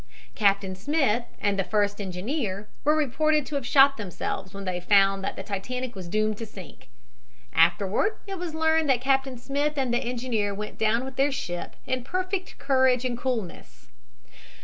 Captain Smith and the first engineer were reported to have shot themselves when they found that the Titanic was doomed to sink. Afterward it was learned that Captain Smith and the engineer went down with their ship in perfect courage and coolness.